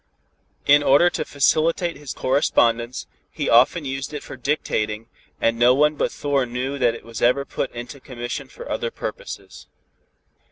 In order to facilitate his correspondence, he often used it for dictating, and no one but Thor knew that it was ever put into commission for other purposes.